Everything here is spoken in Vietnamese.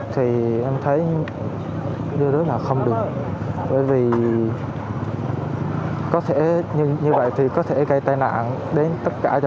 thì em thấy đưa ra là không được bởi vì có thể như vậy thì có thể gây tai đoạn đến tất cả cho mọi người